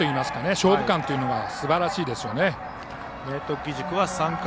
勝負勘というのがすばらしいです。